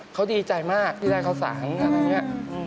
เขาดีใจมากที่ได้ข้าวสารอะไรอย่างนี้